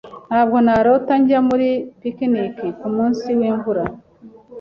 Ntabwo narota njya muri picnic kumunsi wimvura.